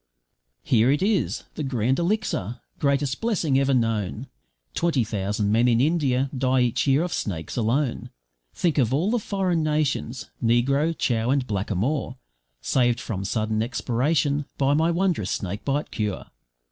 `Here it is, the Grand Elixir, greatest blessing ever known, Twenty thousand men in India die each year of snakes alone. Think of all the foreign nations, negro, chow, and blackamoor, Saved from sudden expiration, by my wondrous snakebite cure.